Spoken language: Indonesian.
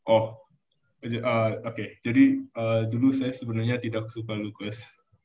oh oke jadi dulu saya sebenarnya tidak suka lukas